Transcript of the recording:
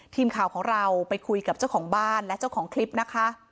ทีมข่าวของเราไปคุยกับเจ้าของบ้านและเจ้าของคลิปนะคะ